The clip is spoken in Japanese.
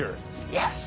よし。